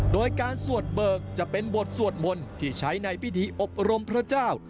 โดยการสวดเบิกจะเป็นบทสวดมนต์ที่ใช้ในพิธีอบรมพระเจ้า